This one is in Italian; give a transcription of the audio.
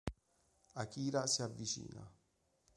Akira si avvicina.